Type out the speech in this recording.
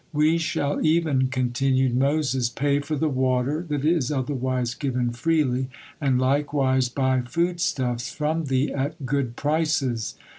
"We shall even," continued Moses, "pay for the water that is otherwise given freely, and likewise buy food stuffs from thee at good prices."